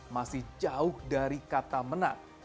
masih jauh dari kata menang